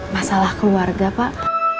masalah keluarga pak